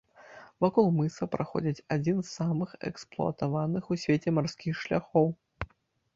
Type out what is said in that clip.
Вакол мыса праходзіць адзін з самых эксплуатаваных у свеце марскіх шляхоў.